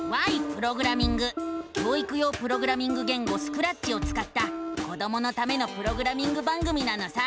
教育用プログラミング言語「スクラッチ」をつかった子どものためのプログラミング番組なのさ！